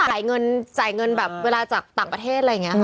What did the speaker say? จ่ายเงินแบบเวลาจากต่างประเทศอะไรอย่างนี้ค่ะ